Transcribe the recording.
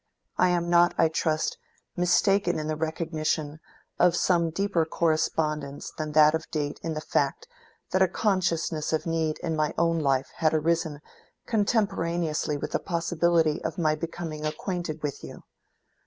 I am not, I trust, mistaken in the recognition of some deeper correspondence than that of date in the fact that a consciousness of need in my own life had arisen contemporaneously with the possibility of my becoming acquainted with you.